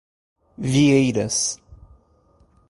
Vieiras